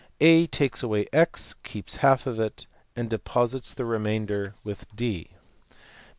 A takes away x, keeps half of it, and deposits the remainder with * See Fr.